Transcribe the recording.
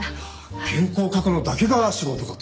原稿を書くのだけが仕事かと。